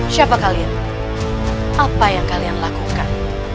siapa kalian apa yang kalian lakukan